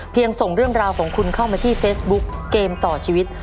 ส่งเรื่องราวของคุณเข้ามาที่เฟซบุ๊กเกมต่อชีวิต